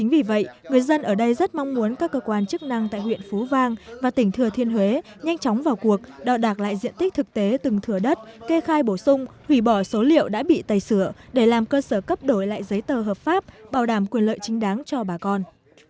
vì vậy người dân ở đây rất mong muốn các cơ quan chức năng tại huyện phú vang và tỉnh thừa thiên huế nhanh chóng vào cuộc đo đạc lại diện tích thực tế từng thừa đất kê khai bổ sung hủy bỏ số liệu đã bị tẩy sửa để làm cơ sở cấp đổi lại giấy tờ hợp pháp bảo đảm quyền lợi chính đáng cho bà con